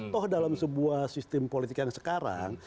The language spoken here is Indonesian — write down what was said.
toh dalam sebuah sistem politik yang sekarang